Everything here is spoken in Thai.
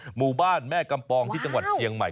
หมู่บ้านแม่กำปองที่จังหวัดเชียงใหม่